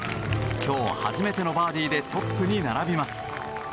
今日初めてのバーディーでトップに並びます。